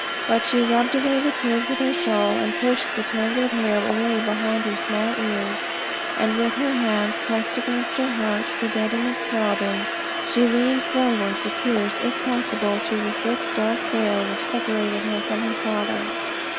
But she rubbed away the tears with her shawl, and pushed the tangled hair away behind her small ears, and with her hands pressed against her heart, to deaden its throbbing, she leaned forward to pierce, if possible, through the thick dark veil which separated her from her father.